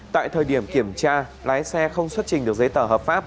tại thời điểm kiểm tra lái xe không xuất trình được giấy tờ hợp pháp